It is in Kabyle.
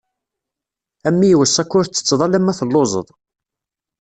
A mmi iweṣṣa-k ur tettetteḍ alemma telluẓeḍ.